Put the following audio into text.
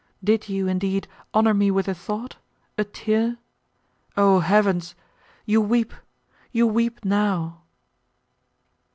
Did you, indeed, honour me with a thought—a tear? O heavens! you weep—you weep now!"